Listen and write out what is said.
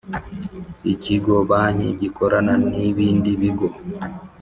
Ikigo banki gikorana nibindi bigo.